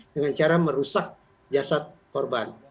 dengan cara merusak jasad korban